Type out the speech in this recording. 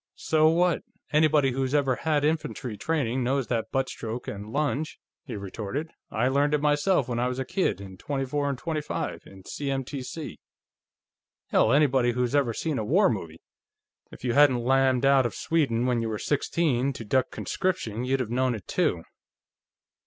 "So what? Anybody who's ever had infantry training knows that butt stroke and lunge," he retorted. "I learned it myself, when I was a kid, in '24 and '25, in C.M.T.C. Hell, anybody who's ever seen a war movie.... If you hadn't lammed out of Sweden when you were sixteen, to duck conscription, you'd of known it, too."